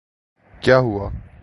کیا ہوا؟